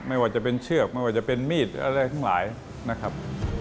ไม่ว่าจะเป็นเชือกไม่ว่าจะเป็นมีดอะไรทั้งหลายนะครับ